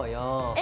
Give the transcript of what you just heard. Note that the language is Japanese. え⁉